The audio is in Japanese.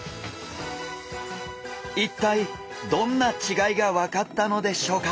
一体どんな違いが分かったのでしょうか？